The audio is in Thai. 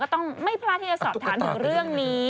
ต้องไม่พลาดที่จะสอบถามถึงเรื่องนี้